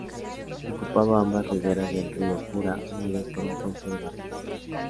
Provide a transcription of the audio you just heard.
Ocupaba ambas riberas del río Kura, unidas por un puente de barcas.